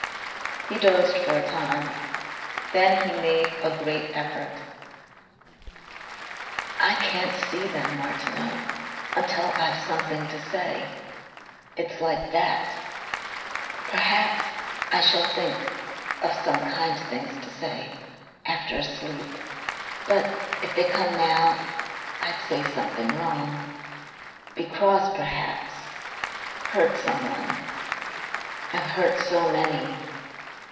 He dozed for a time. Then he made a great effort. "I can't see them, Martineau, until I've something to say. It's like that. Perhaps I shall think of some kind things to say after a sleep. But if they came now...I'd say something wrong. Be cross perhaps. Hurt someone. I've hurt so many.